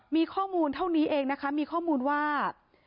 มีข้อมูลเท่านี้เองนะคะมีข้อมูลว่า